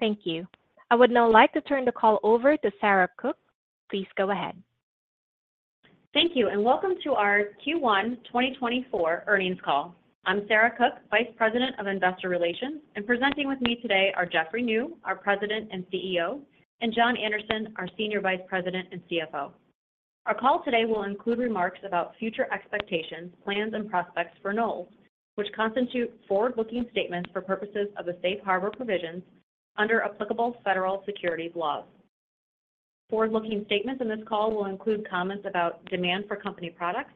Thank you. I would now like to turn the call over to Sarah Cook. Please go ahead. Thank you, and welcome to our Q1 2024 earnings call. I'm Sarah Cook, Vice President of Investor Relations, and presenting with me today are Jeffrey Niew, our President and CEO, and John Anderson, our Senior Vice President and CFO. Our call today will include remarks about future expectations, plans, and prospects for Knowles, which constitute forward-looking statements for purposes of the safe harbor provisions under applicable federal securities laws. Forward-looking statements in this call will include comments about demand for company products,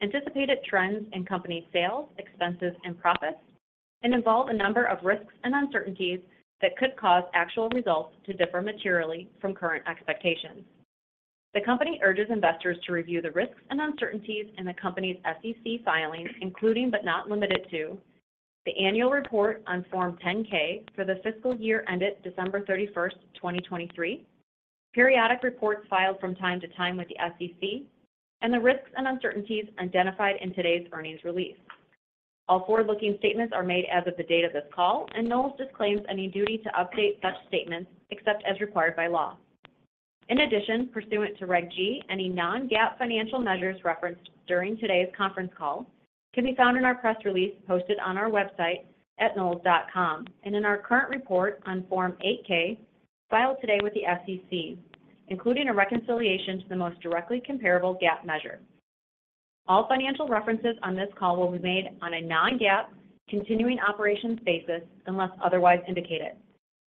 anticipated trends in company sales, expenses, and profits, and involve a number of risks and uncertainties that could cause actual results to differ materially from current expectations. The company urges investors to review the risks and uncertainties in the company's SEC filings, including, but not limited to, the annual report on Form 10-K for the fiscal year ended December 31st, 2023, periodic reports filed from time to time with the SEC, and the risks and uncertainties identified in today's earnings release. All forward-looking statements are made as of the date of this call, and Knowles disclaims any duty to update such statements except as required by law. In addition, pursuant to Reg G, any non-GAAP financial measures referenced during today's conference call can be found in our press release posted on our website at knowles.com, and in our current report on Form 8-K, filed today with the SEC, including a reconciliation to the most directly comparable GAAP measure. All financial references on this call will be made on a non-GAAP continuing operations basis, unless otherwise indicated.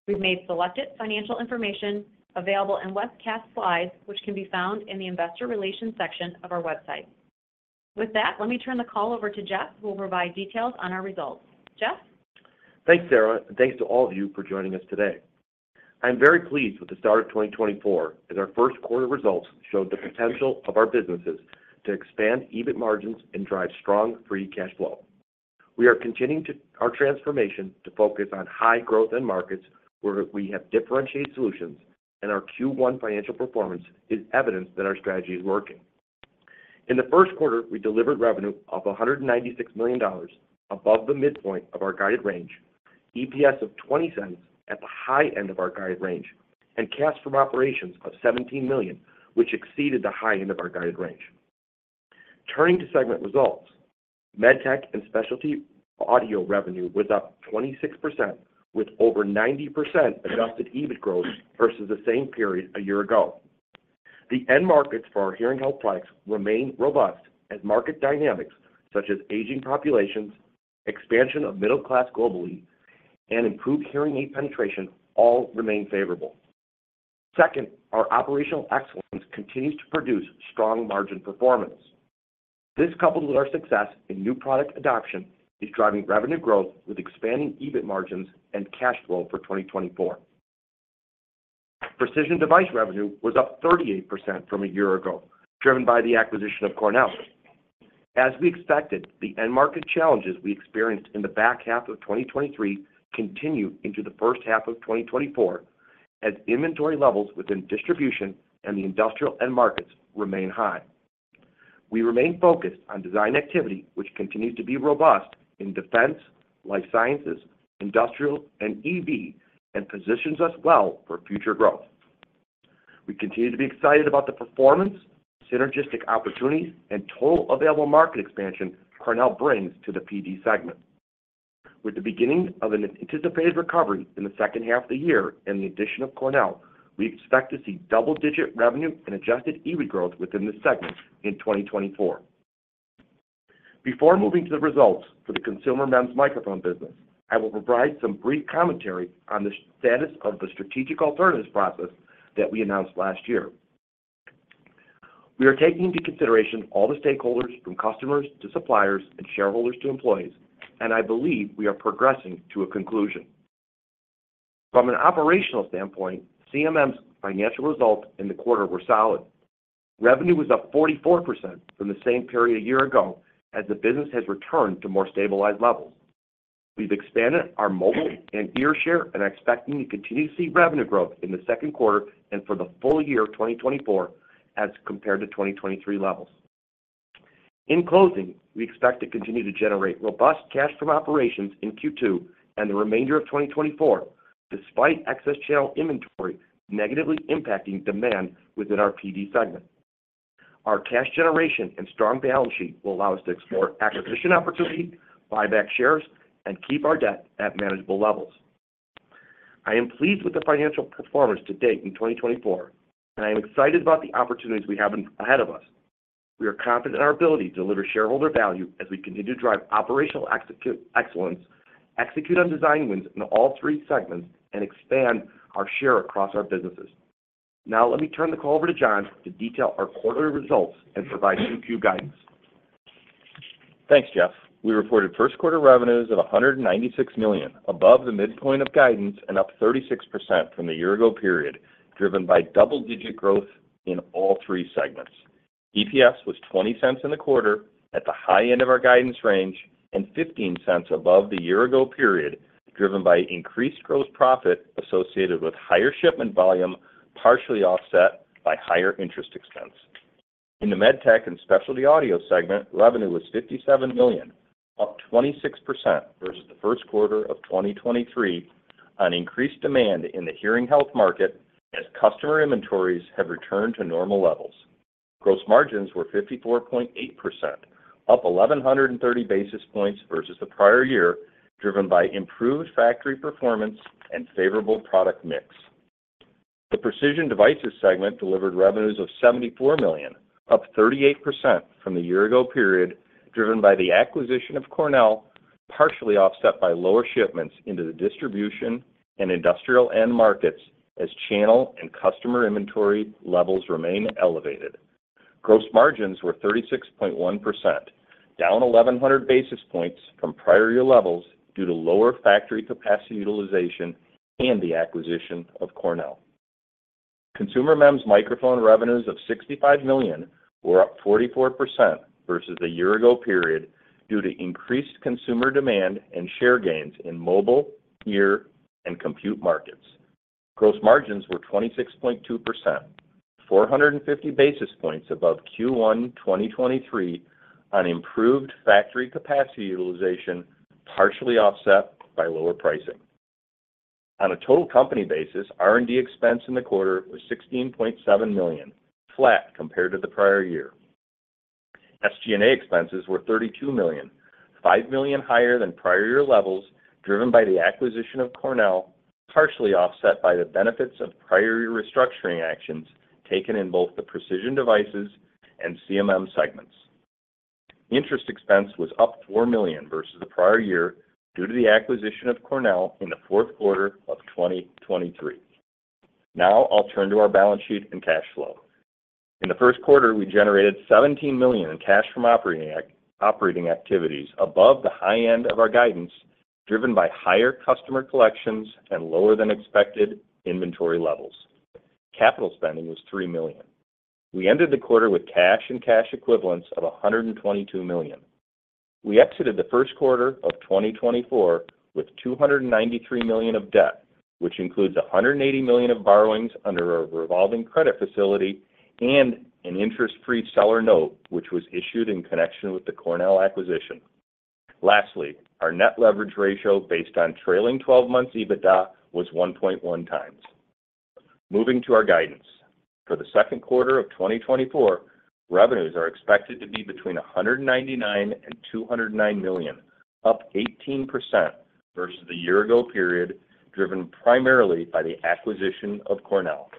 We've made selected financial information available in webcast slides, which can be found in the Investor Relations section of our website. With that, let me turn the call over to Jeff, who will provide details on our results. Jeff? Thanks, Sarah, and thanks to all of you for joining us today. I'm very pleased with the start of 2024, as our first quarter results showed the potential of our businesses to expand EBIT margins and drive strong free cash flow. We are continuing to our transformation to focus on high growth end markets, where we have differentiated solutions, and our Q1 financial performance is evidence that our strategy is working. In the first quarter, we delivered revenue of $196 million, above the midpoint of our guided range, EPS of $0.20 at the high end of our guided range, and cash from operations of $17 million, which exceeded the high end of our guided range. Turning to segment results, MedTech and Specialty Audio revenue was up 26%, with over 90% adjusted EBIT growth versus the same period a year ago. The end markets for our hearing health products remain robust, as market dynamics such as aging populations, expansion of middle class globally, and improved hearing aid penetration all remain favorable. Second, our operational excellence continues to produce strong margin performance. This, coupled with our success in new product adoption, is driving revenue growth with expanding EBIT margins and cash flow for 2024. Precision Devices revenue was up 38% from a year ago, driven by the acquisition of Cornell. As we expected, the end market challenges we experienced in the back half of 2023 continued into the first half of 2024, as inventory levels within distribution and the industrial end markets remain high. We remain focused on design activity, which continues to be robust in defense, life sciences, industrial, and EV, and positions us well for future growth. We continue to be excited about the performance, synergistic opportunities, and total available market expansion Cornell brings to the PD segment. With the beginning of an anticipated recovery in the second half of the year and the addition of Cornell, we expect to see double-digit revenue and adjusted EBIT growth within this segment in 2024. Before moving to the results for the Consumer MEMS Microphone business, I will provide some brief commentary on the status of the strategic alternatives process that we announced last year. We are taking into consideration all the stakeholders, from customers to suppliers and shareholders to employees, and I believe we are progressing to a conclusion. From an operational standpoint, CMM's financial results in the quarter were solid. Revenue was up 44% from the same period a year ago, as the business has returned to more stabilized levels. We've expanded our mobile and ear share and are expecting to continue to see revenue growth in the second quarter and for the full year of 2024 as compared to 2023 levels. In closing, we expect to continue to generate robust cash from operations in Q2 and the remainder of 2024, despite excess channel inventory negatively impacting demand within our PD segment. Our cash generation and strong balance sheet will allow us to explore acquisition opportunities, buy back shares, and keep our debt at manageable levels. I am pleased with the financial performance to date in 2024, and I am excited about the opportunities we have ahead of us. We are confident in our ability to deliver shareholder value as we continue to drive operational excellence, execute on design wins in all three segments, and expand our share across our businesses. Now, let me turn the call over to John to detail our quarterly results and provide Q2 guidance. Thanks, Jeff. We reported first quarter revenues of $196 million, above the midpoint of guidance and up 36% from the year ago period, driven by double-digit growth in all three segments. EPS was $0.20 in the quarter, at the high end of our guidance range, and $0.15 above the year ago period, driven by increased gross profit associated with higher shipment volume, partially offset by higher interest expense. In the MedTech and Specialty Audio segment, revenue was $57 million, up 26% versus the first quarter of 2023, on increased demand in the hearing health market as customer inventories have returned to normal levels. Gross margins were 54.8%, up 1,130 basis points versus the prior year, driven by improved factory performance and favorable product mix. The Precision Devices segment delivered revenues of $74 million, up 38% from the year ago period, driven by the acquisition of Cornell, partially offset by lower shipments into the distribution and industrial end markets, as channel and customer inventory levels remain elevated. Gross margins were 36.1%, down 1,100 basis points from prior year levels due to lower factory capacity utilization and the acquisition of Cornell. Consumer MEMS Microphone revenues of $65 million were up 44% versus the year ago period, due to increased consumer demand and share gains in mobile, ear, and compute markets. Gross margins were 26.2%, 450 basis points above Q1 2023, on improved factory capacity utilization, partially offset by lower pricing. On a total company basis, R&D expense in the quarter was $16.7 million, flat compared to the prior year. SG&A expenses were $32 million, $5 million higher than prior year levels, driven by the acquisition of Cornell, partially offset by the benefits of prior year restructuring actions taken in both the Precision Devices and CMM segments. Interest expense was up $4 million versus the prior year due to the acquisition of Cornell in the fourth quarter of 2023. Now I'll turn to our balance sheet and cash flow. In the first quarter, we generated $17 million in cash from operating activities above the high end of our guidance, driven by higher customer collections and lower than expected inventory levels. Capital spending was $3 million. We ended the quarter with cash and cash equivalents of $122 million. We exited the first quarter of 2024 with $293 million of debt, which includes $180 million of borrowings under our revolving credit facility and an interest-free seller note, which was issued in connection with the Cornell acquisition. Lastly, our net leverage ratio, based on trailing 12-month EBITDA, was 1.1 times. Moving to our guidance. For the second quarter of 2024, revenues are expected to be between $199 million and $209 million, up 18% versus the year ago period, driven primarily by the acquisition of Cornell.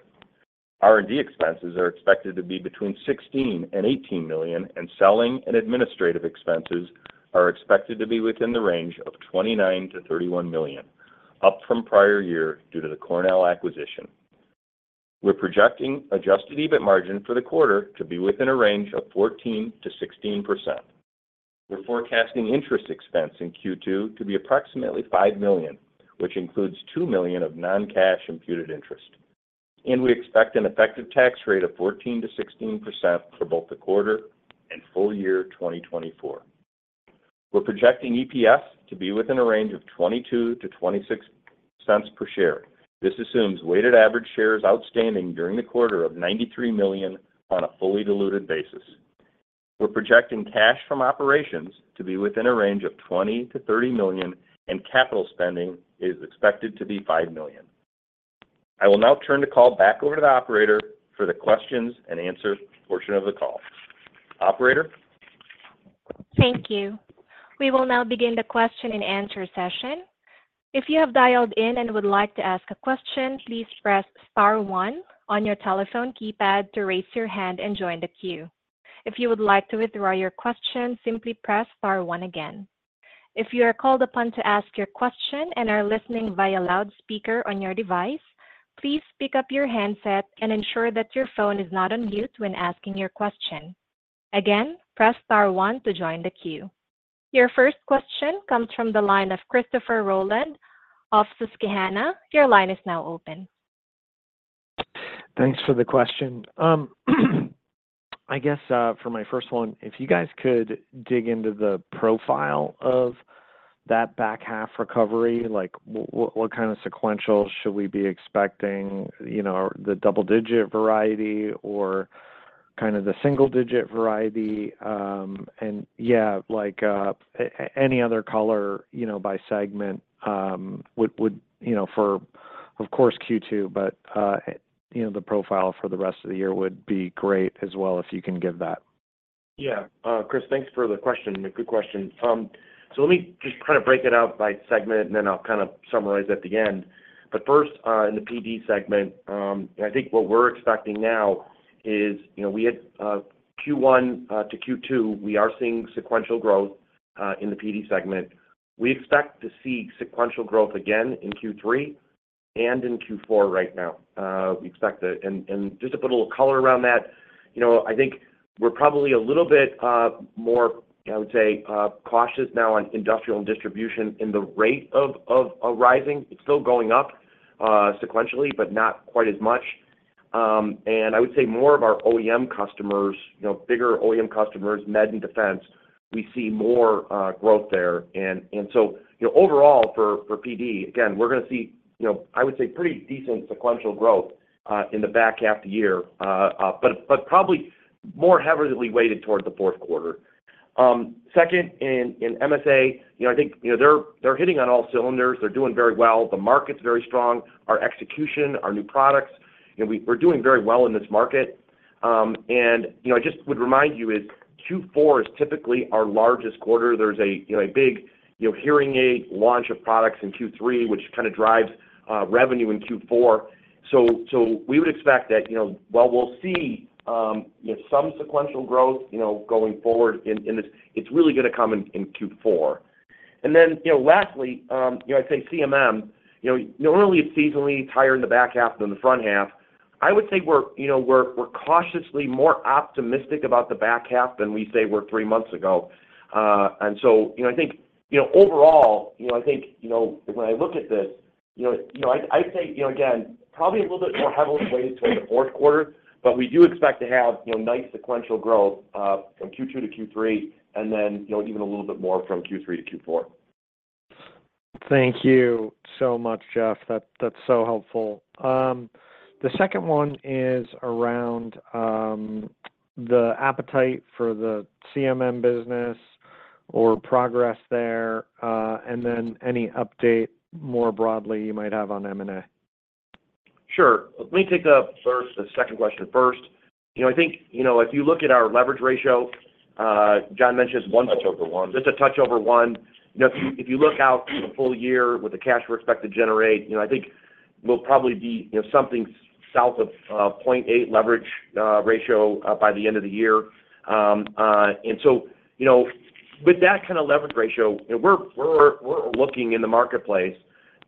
R&D expenses are expected to be between $16 million and $18 million, and selling and administrative expenses are expected to be within the range of $29 million-$31 million, up from prior year due to the Cornell acquisition. We're projecting adjusted EBIT margin for the quarter to be within a range of 14%-16%. We're forecasting interest expense in Q2 to be approximately $5 million, which includes $2 million of non-cash imputed interest. We expect an effective tax rate of 14%-16% for both the quarter and full year 2024. We're projecting EPS to be within a range of $0.22-$0.26 per share. This assumes weighted average shares outstanding during the quarter of 93 million on a fully diluted basis. We're projecting cash from operations to be within a range of $20 million-$30 million, and capital spending is expected to be $5 million. I will now turn the call back over to the operator for the questions and answer portion of the call. Operator? Thank you. We will now begin the question and answer session. If you have dialed in and would like to ask a question, please press star one on your telephone keypad to raise your hand and join the queue. If you would like to withdraw your question, simply press star one again. If you are called upon to ask your question and are listening via loudspeaker on your device, please pick up your handset and ensure that your phone is not on mute when asking your question. Again, press star one to join the queue. Your first question comes from the line of Christopher Rolland of Susquehanna. Your line is now open. Thanks for the question. I guess, for my first one, if you guys could dig into the profile of that back half recovery, like, what kind of sequential should we be expecting? You know, the double digit variety or kind of the single digit variety? And yeah, like, any other color, you know, by segment, would. You know, for, of course, Q2, but, you know, the profile for the rest of the year would be great as well, if you can give that. Yeah. Chris, thanks for the question, a good question. So let me just kind of break it out by segment, and then I'll kind of summarize at the end. But first, in the PD segment, and I think what we're expecting now is, you know, we had Q1 to Q2, we are seeing sequential growth in the PD segment. We expect to see sequential growth again in Q3 and in Q4 right now. We expect that. And just to put a little color around that, you know, I think we're probably a little bit more, I would say, cautious now on industrial and distribution in the rate of arising. It's still going up sequentially, but not quite as much. I would say more of our OEM customers, you know, bigger OEM customers, med and defense. We see more growth there. And so, you know, overall, for PD, again, we're gonna see, you know, I would say, pretty decent sequential growth in the back half of the year, but probably more heavily weighted towards the fourth quarter. Second, in MSA, you know, I think, you know, they're hitting on all cylinders. They're doing very well. The market's very strong. Our execution, our new products, you know, we're doing very well in this market. And, you know, I just would remind you is, Q4 is typically our largest quarter. There's a big hearing aid launch of products in Q3, which kind of drives revenue in Q4. So, we would expect that, you know, while we'll see, you know, some sequential growth, you know, going forward in this, it's really gonna come in Q4. And then, you know, lastly, you know, I'd say CMM, you know, not only is it seasonally higher in the back half than the front half, I would say we're, you know, cautiously more optimistic about the back half than we were three months ago. And so, you know, I think, you know, overall, you know, I think, you know, when I look at this, you know, I'd say, you know, again, probably a little bit more heavily weighted toward the fourth quarter, but we do expect to have, you know, nice sequential growth from Q2 to Q3, and then, you know, even a little bit more from Q3 to Q4. Thank you so much, Jeff. That, that's so helpful. The second one is around the appetite for the CMM business or progress there, and then any update, more broadly, you might have on M&A. Sure. Let me take the first. The second question first. You know, I think, you know, if you look at our leverage ratio, John mentioned, it's one. Touch over one. Just a touch over one. You know, if you look out the full year with the cash we're expected to generate, you know, I think we'll probably be, you know, something south of 0.8 leverage ratio by the end of the year. And so, you know, with that kind of leverage ratio, we're looking in the marketplace.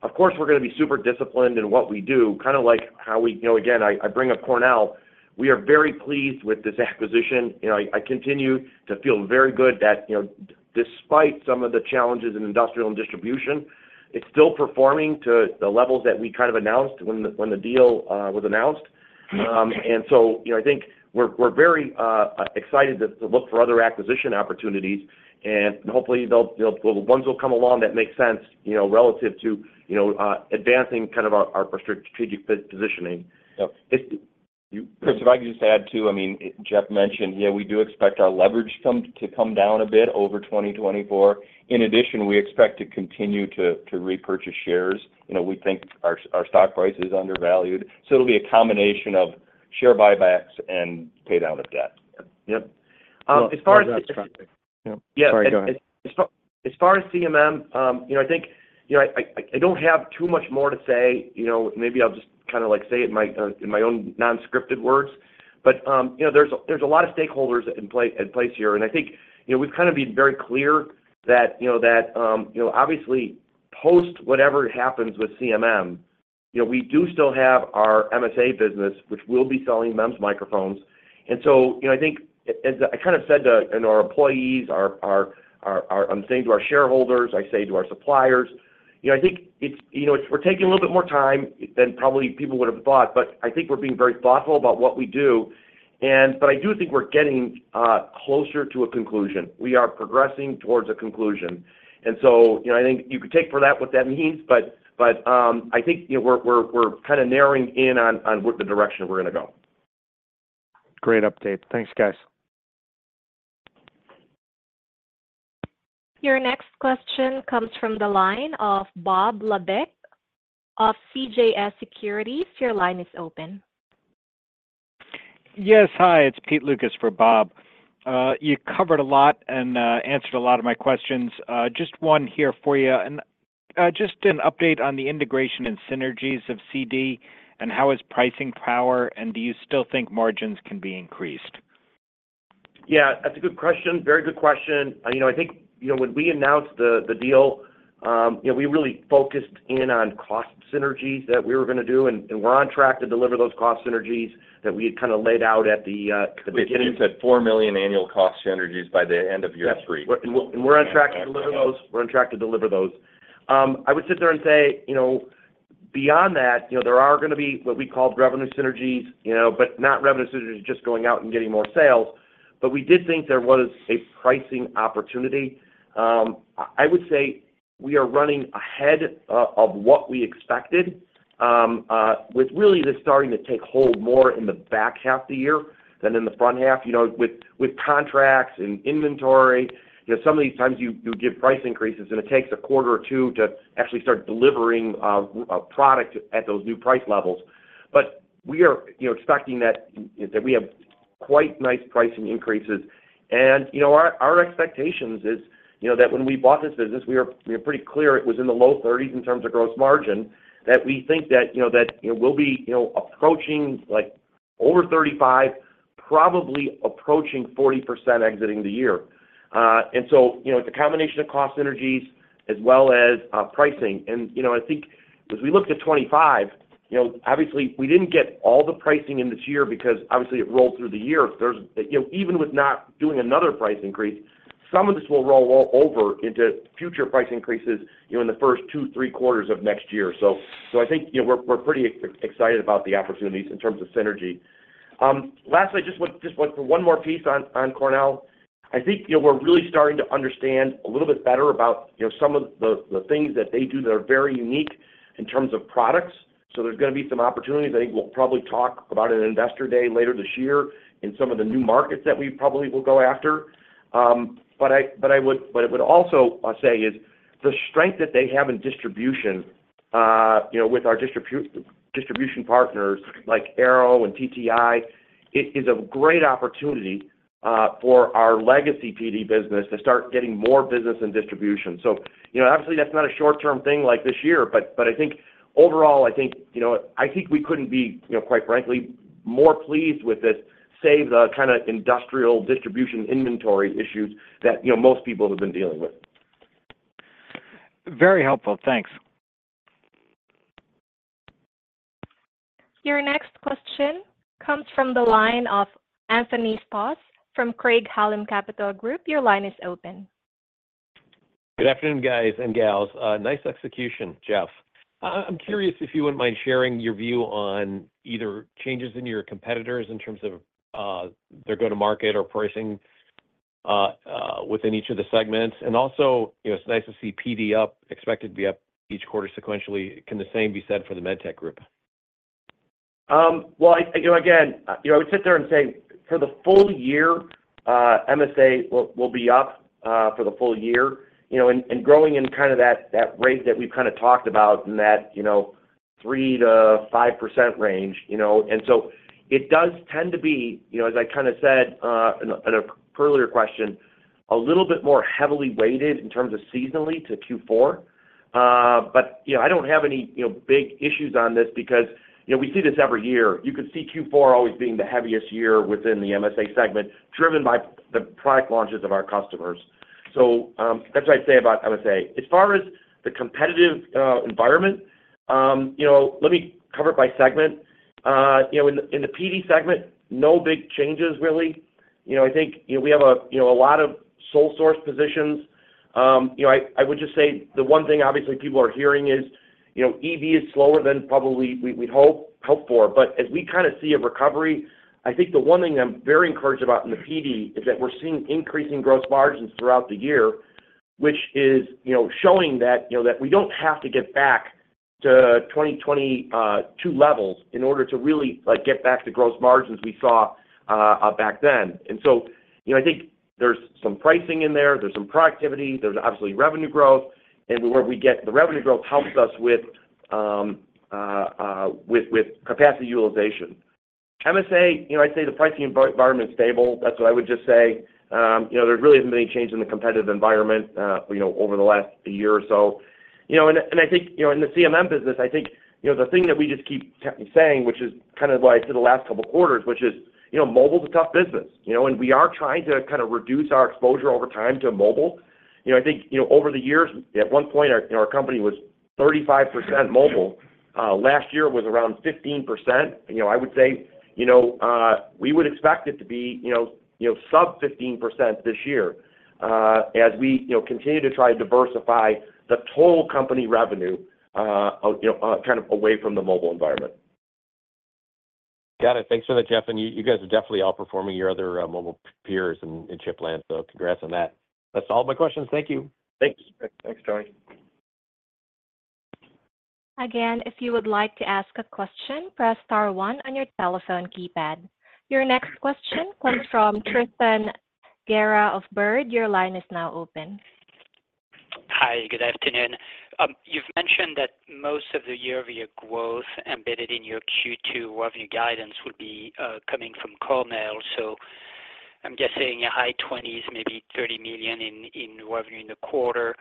Of course, we're gonna be super disciplined in what we do, kind of like how we. You know, again, I bring up Cornell. We are very pleased with this acquisition. You know, I continue to feel very good that, you know, despite some of the challenges in industrial and distribution, it's still performing to the levels that we kind of announced when the deal was announced. And so, you know, I think we're very excited to look for other acquisition opportunities, and hopefully, they'll, you know, the ones will come along that make sense, you know, relative to, you know, advancing kind of our strategic positioning. Yep. If you. Chris, if I could just add, too. I mean, Jeff mentioned, yeah, we do expect our leverage to come down a bit over 2024. In addition, we expect to continue to repurchase shares. You know, we think our stock price is undervalued, so it'll be a combination of share buybacks and pay down of debt. Yep. As far as. Yeah. Sorry, go ahead. As far as CMM, you know, I think, you know, I don't have too much more to say, you know. Maybe I'll just kind of, like, say it in my own non-scripted words. But, you know, there's a lot of stakeholders in place here, and I think, you know, we've kind of been very clear that, you know, obviously, post whatever happens with CMM, you know, we do still have our MSA business, which we'll be selling MEMS Microphones. And so, you know, I think as I kind of said to.. And our employees—I'm saying to our shareholders. I say to our suppliers, you know. I think it's, you know, it's—we're taking a little bit more time than probably people would have thought, but I think we're being very thoughtful about what we do. But I do think we're getting closer to a conclusion. We are progressing towards a conclusion. So, you know, I think you could take for that what that means, but I think, you know, we're kind of narrowing in on what the direction we're gonna go. Great update. Thanks, guys. Your next question comes from the line of Bob Labick of CJS Securities. Your line is open. Yes, hi, it's Pete Lucas for Bob. You covered a lot and answered a lot of my questions. Just one here for you. Just an update on the integration and synergies of CD, and how is pricing power, and do you still think margins can be increased? Yeah, that's a good question. Very good question. You know, I think, you know, when we announced the deal, you know, we really focused in on cost synergies that we were gonna do, and we're on track to deliver those cost synergies that we had kind of laid out at the beginning- You said $4 million annual cost synergies by the end of year three. Yes. And we're, and we're on track to deliver those. We're on track to deliver those. I would sit there and say, you know, beyond that, you know, there are gonna be what we call revenue synergies, you know, but not revenue synergies, just going out and getting more sales. But we did think there was a pricing opportunity. I would say we are running ahead of what we expected with really this starting to take hold more in the back half of the year than in the front half. You know, with contracts and inventory, you know, some of these times, you give price increases, and it takes a quarter or two to actually start delivering a product at those new price levels. But we are, you know, expecting that, that we have quite nice pricing increases. you know, our expectations is, you know, that when we bought this business, we were pretty clear it was in the low 30s in terms of gross margin, that we think that, you know, we'll be, you know, approaching, like, over 35, probably approaching 40% exiting the year. and so, you know, it's a combination of cost synergies as well as pricing. you know, I think as we looked at 25, you know, obviously, we didn't get all the pricing in this year because, obviously, it rolled through the year. There's, you know, even with not doing another price increase, some of this will roll over into future price increases, you know, in the first two, three quarters of next year. So, I think, you know, we're pretty excited about the opportunities in terms of synergy. Lastly, I just want for one more piece on Cornell. I think, you know, we're really starting to understand a little bit better about, you know, some of the things that they do that are very unique in terms of products. So there's gonna be some opportunities. I think we'll probably talk about it at Investor Day later this year in some of the new markets that we probably will go after. But I would also say is, the strength that they have in distribution, you know, with our distribution partners like Arrow and TTI, it is a great opportunity for our legacy PD business to start getting more business and distribution. So, you know, obviously, that's not a short-term thing like this year, but, but I think overall, I think, you know, I think we couldn't be, you know, quite frankly, more pleased with this, save the kinda industrial distribution inventory issues that, you know, most people have been dealing with. Very helpful. Thanks. Your next question comes from the line of Anthony Stoss from Craig-Hallum Capital Group. Your line is open. Good afternoon, guys and gals. Nice execution, Jeff. I'm curious if you wouldn't mind sharing your view on either changes in your competitors in terms of their go-to-market or pricing within each of the segments. And also, you know, it's nice to see PD up, expected to be up each quarter sequentially. Can the same be said for the MedTech group? Well, I, you know, again, you know, I would sit there and say, for the full year, MSA will, will be up, for the full year, you know, and, and growing in kind of that, that rate that we've kind of talked about in that, you know, 3%-5% range, you know? And so it does tend to be, you know, as I kind of said, in an earlier question, a little bit more heavily weighted in terms of seasonally to Q4. But, you know, I don't have any, you know, big issues on this because, you know, we see this every year. You could see Q4 always being the heaviest year within the MSA segment, driven by the product launches of our customers. So, that's what I'd say about MSA. As far as the competitive environment, you know, let me cover it by segment. You know, in the PD segment, no big changes, really. You know, I think, you know, we have a, you know, a lot of sole source positions. You know, I would just say the one thing obviously people are hearing is, you know, EV is slower than probably we'd hope for. But as we kinda see a recovery, I think the one thing I'm very encouraged about in the PD is that we're seeing increasing gross margins throughout the year, which is, you know, showing that, you know, that we don't have to get back to 2022 levels in order to really, like, get back to gross margins we saw back then. And so, you know, I think there's some pricing in there, there's some productivity, there's obviously revenue growth, and where we get the revenue growth helps us with with capacity utilization. MSA, you know, I'd say the pricing environment is stable. That's what I would just say. You know, there really hasn't been any change in the competitive environment, you know, over the last year or so. You know, and I think, you know, in the CMM business, I think, you know, the thing that we just keep saying, which is kind of like to the last couple of quarters, which is, you know, mobile is a tough business, you know, and we are trying to kind of reduce our exposure over time to mobile. You know, I think, you know, over the years, at one point, our, you know, our company was 35% mobile. Last year was around 15%. You know, I would say, you know, we would expect it to be, you know, you know, sub 15% this year, as we, you know, continue to try to diversify the total company revenue, you know, kind of away from the mobile environment. Got it. Thanks for that, Jeff, and you, you guys are definitely outperforming your other mobile peers in chip land, so congrats on that. That's all my questions. Thank you. Thanks. Thanks, Tony. Again, if you would like to ask a question, press star one on your telephone keypad. Your next question comes from Tristan Gerra of Baird. Your line is now open. Hi, good afternoon. You've mentioned that most of the year-over-year growth embedded in your Q2 revenue guidance would be coming from Cornell. So I'm guessing high 20s, maybe $30 million in revenue in the quarter.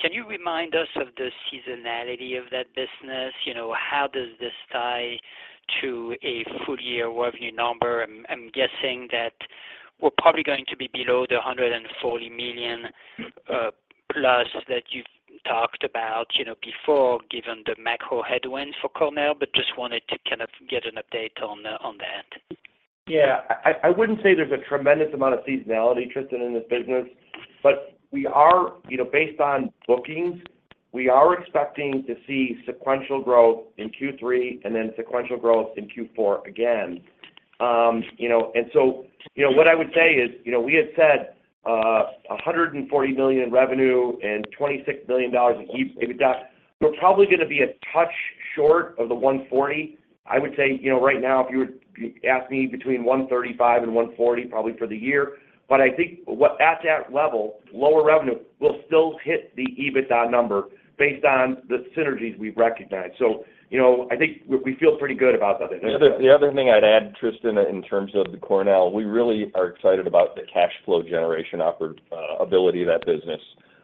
Can you remind us of the seasonality of that business? You know, how does this tie to a full year revenue number? I'm guessing that we're probably going to be below the $140 million plus that you've talked about, you know, before, given the macro headwind for Cornell, but just wanted to kind of get an update on that. Yeah. I wouldn't say there's a tremendous amount of seasonality, Tristan, in this business, but we are... you know, based on bookings, we are expecting to see sequential growth in Q3 and then sequential growth in Q4 again. You know, and so, you know, what I would say is, you know, we had said $140 million in revenue and $26 million in EBITDA. We're probably gonna be a touch short of the 140. I would say, you know, right now, if you would ask me, between 135 and 140, probably for the year. But I think, at that level, lower revenue will still hit the EBITDA number based on the synergies we've recognized. So, you know, I think we feel pretty good about that business. The other thing I'd add, Tristan, in terms of the Cornell, we really are excited about the cash flow generation offering ability of that business,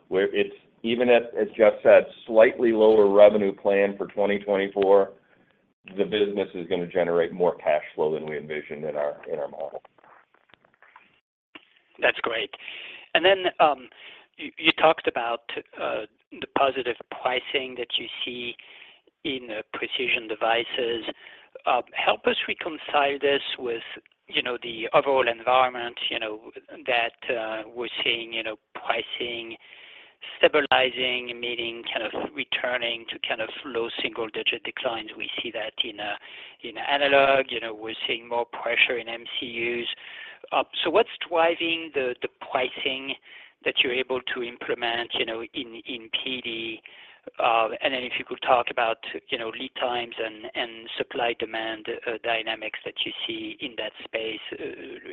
where it's even at, as Jeff said, slightly lower revenue plan for 2024, the business is gonna generate more cash flow than we envisioned in our model. That's great. And then, you, you talked about, the positive pricing that you see in, precision devices. Help us reconcile this with, you know, the overall environment, you know, that, we're seeing, you know, pricing, stabilizing, meaning kind of returning to kind of low single digit declines. We see that in, in analog. You know, we're seeing more pressure in MCUs. So what's driving the, the pricing that you're able to implement, you know, in, in PD? And then if you could talk about, you know, lead times and, and supply-demand, dynamics that you see in that space,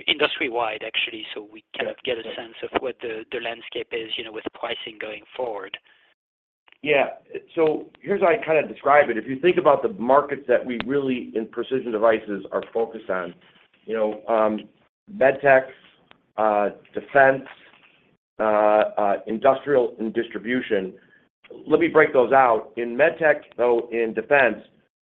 industry-wide, actually, so we kind of get a sense of what the, the landscape is, you know, with pricing going forward. Yeah. So here's how I kind of describe it. If you think about the markets that we really, in Precision Devices, are focused on, you know, MedTech, defense, industrial and distribution. Let me break those out. In MedTech, though, in defense,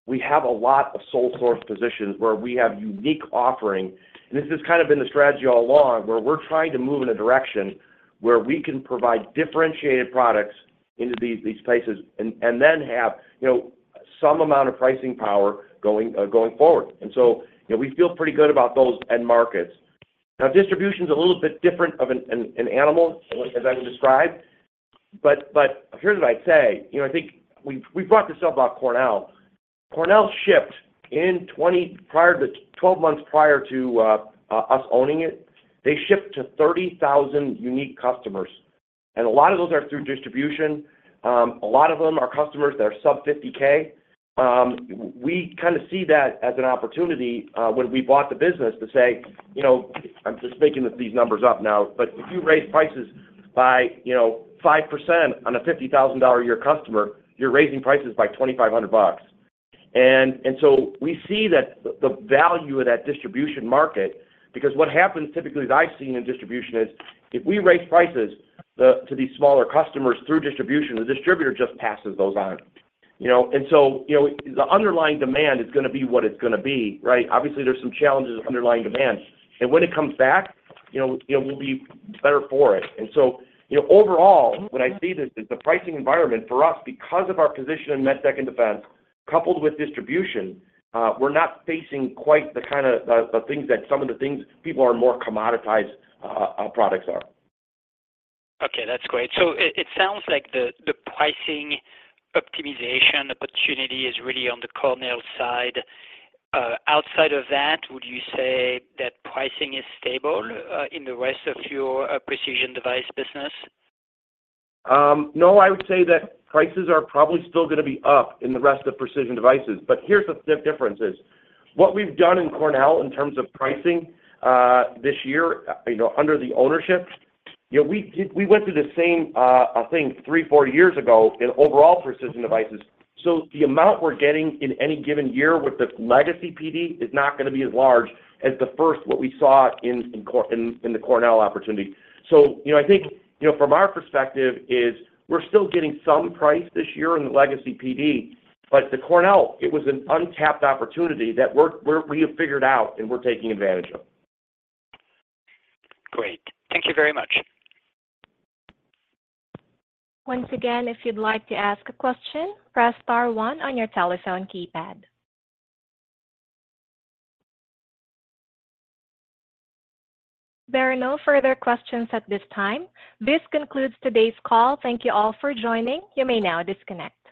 we have a lot of sole source positions where we have unique offering, and this has kind of been the strategy all along, where we're trying to move in a direction where we can provide differentiated products into these places and then have, you know, some amount of pricing power going forward. And so, you know, we feel pretty good about those end markets. Now, distribution's a little bit different of an animal, as I described, but here's what I'd say: you know, I think we've brought this up about Cornell. Cornell shipped in 20. Twelve months prior to us owning it, they shipped to 30,000 unique customers, and a lot of those are through distribution. A lot of them are customers that are sub-$50,000. We kind of see that as an opportunity when we bought the business to say, you know, I'm just making these numbers up now, but if you raise prices by, you know, 5% on a $50,000-a-year customer, you're raising prices by $2,500. And so we see the value of that distribution market, because what happens typically, as I've seen in distribution, is if we raise prices to these smaller customers through distribution, the distributor just passes those on. You know, and so, you know, the underlying demand is gonna be what it's gonna be, right? Obviously, there's some challenges with underlying demand, and when it comes back, you know, you know, we'll be better for it. And so, you know, overall, when I see the pricing environment for us, because of our position in MedTech and defense, coupled with distribution, we're not facing quite the kind of the things that some of the things people are more commoditized products are. Okay, that's great. So it sounds like the pricing optimization opportunity is really on the Cornell side. Outside of that, would you say that pricing is stable in the rest of your Precision Devices business? No, I would say that prices are probably still gonna be up in the rest of Precision Devices, but here's the differences. What we've done in Cornell in terms of pricing this year, you know, under the ownership, you know, we did we went through the same thing three, four years ago in overall Precision Devices. So the amount we're getting in any given year with the legacy PD is not gonna be as large as the first, what we saw in the Cornell opportunity. So, you know, I think, you know, from our perspective is we're still getting some price this year in the legacy PD, but the Cornell, it was an untapped opportunity that we're we have figured out and we're taking advantage of. Great. Thank you very much. Once again, if you'd like to ask a question, press star one on your telephone keypad. There are no further questions at this time. This concludes today's call. Thank you all for joining. You may now disconnect.